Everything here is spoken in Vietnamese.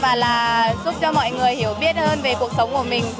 và là giúp cho mọi người hiểu biết hơn về cuộc sống của mình